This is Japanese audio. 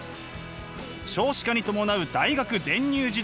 少子化に伴う大学全入時代。